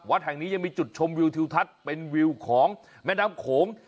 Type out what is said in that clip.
แห่งนี้ยังมีจุดชมวิวทิวทัศน์เป็นวิวของแม่น้ำโขง